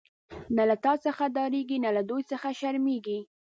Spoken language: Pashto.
نه له تا څخه ډاريږی، نه له دوی څخه شرميږی